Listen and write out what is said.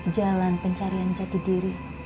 jalan pencarian jati diri